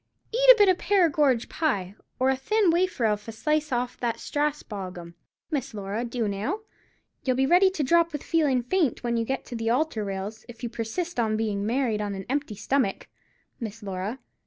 Eat a bit of Perrigorge pie, or a thin wafer of a slice off that Strasbog 'am, Miss Laura, do now. You'll be ready to drop with feelin' faint when you get to the altar rails, if you persist on bein' married on a empty stummick, Miss Laura.